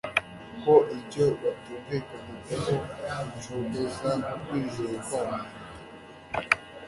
ko ibyo batumvikanagaho bicogoza ukwizera kwabo